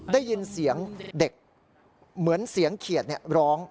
ได้ยินเสียงเด็กเหมือนเสียงเขียดร้อง